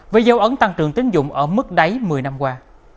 với dấu ấn tăng trưởng tín dụng ở mức đáy một mươi năm qua